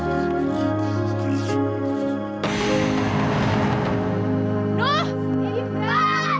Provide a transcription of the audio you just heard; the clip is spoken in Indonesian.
nah udah diam aja